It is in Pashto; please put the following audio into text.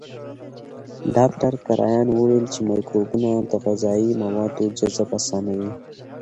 ډاکټر کرایان وویل چې مایکروبونه د غذایي موادو جذب اسانوي.